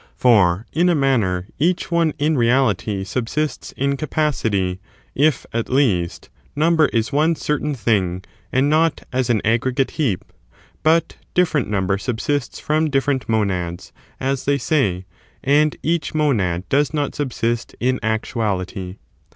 For in a manner. each one in reality subsists in capacity, if, at leasts number is one certain thing and not as an aggregate heap ; but different number subsists from difierent monads, as they say, and each monad does not subsist in actuality.